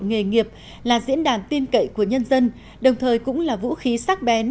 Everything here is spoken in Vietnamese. nghề nghiệp là diễn đàn tin cậy của nhân dân đồng thời cũng là vũ khí sắc bén